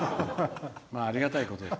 ありがたいことで。